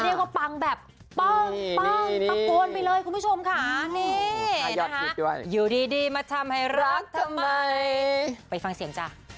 พี่ยิ่งตัวจริงนะฮะเนี่ย